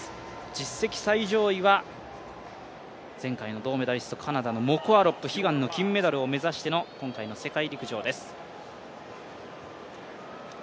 実績最上位は前回の銅メダリスト、カナダのモコ・アロップ、悲願の金メダルを目指しての今回の世界陸上です。